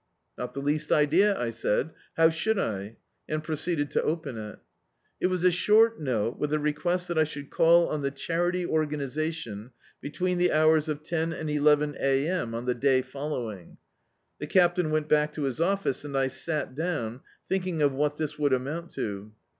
"Not the least idea," I said, "how should I?", and proceeded to open it. It was a short note, with a request that I should call on the Charity Organisatico, between the hours of ten and eleven a. m. on the day following. The Captain went back to his office, and I sat down, thinking of what this would amount to.